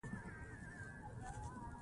ژبه د همږغی وسیله ده.